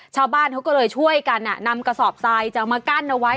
ชาวบ้านเขาก็เลยช่วยกันนำกระสอบทรายจะเอามากั้นเอาไว้